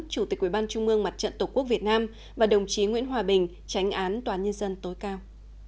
chủ tịch ủy ban trung ương mặt trận tổ quốc việt nam và đồng chí nguyễn hòa bình tránh án toàn nhân dân tối cao